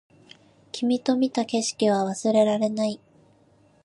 君と見た景色は忘れられない